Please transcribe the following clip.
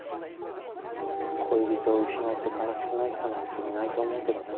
恋人を失って悲しくない人なんていないと思うけどね。